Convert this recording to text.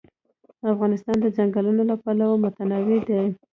افغانستان د ځنګلونه له پلوه متنوع دی.